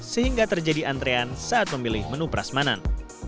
sehingga terjadi antrean saat memilih menu peras manan